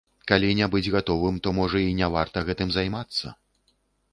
Калі не быць гатовым, то, можа, і не варта гэтым займацца.